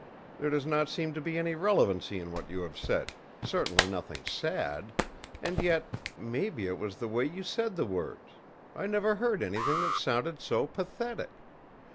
There does not seem to be any relevancy in what you have said, certainly nothing sad; and yet maybe it was the way you said the words I never heard anything that sounded so pathetic.